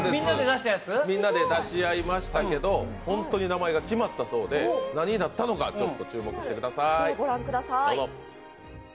みんなで出し合いましたけど本当に名前が決まったそうで何になったのか注目してください、どうぞ。